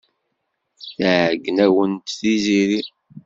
Tɛeyyen-awent Tiziri.